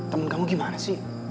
temen kamu gimana sih